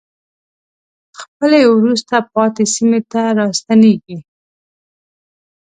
خپلې وروسته پاتې سیمې ته راستنېږي.